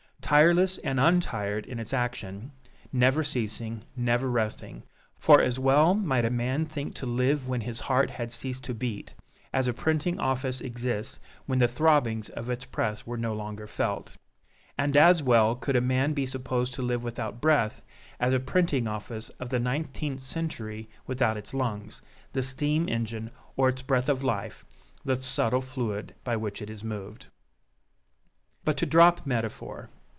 Tireless and untired in its action, never ceasing, never resting, for as well might a man think to live when his heart had ceased to beat, as a printing office exist when the throbbings of its press were no longer felt; and as well could a man be supposed to live without breath as a printing office of the nineteenth century without its lungs, the steam engine, or its breath of life, the subtle fluid by which it is moved. But to drop metaphor.